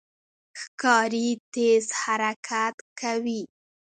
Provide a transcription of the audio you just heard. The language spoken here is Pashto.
ښکاري تېز حرکت کوي.